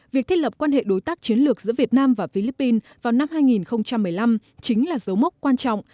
việc thiết lập quan hệ đối tác chiến lược giữa việt nam và philippines vào năm hai nghìn một mươi năm chính là dấu mốc quan trọng